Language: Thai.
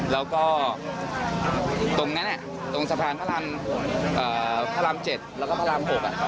แล้วก็ตรงนั้นตรงสะพานพระรามพระราม๗แล้วก็พระราม๖